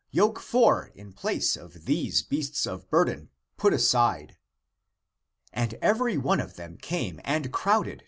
Yoke four in place of these beasts of burden put aside !" And every one of them came and crowded 1 Comp. John XIV, 27.